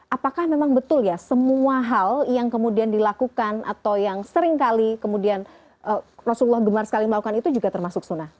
apakah memang betul ya semua hal yang kemudian dilakukan atau yang seringkali kemudian rasulullah gemar sekali melakukan itu juga termasuk sunnah